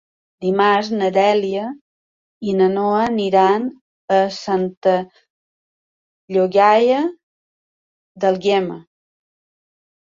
Dimarts na Dèlia i na Noa aniran a Santa Llogaia d'Àlguema.